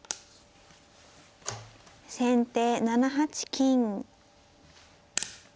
先手７八金。